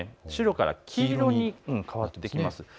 白から黄色に変わってきます。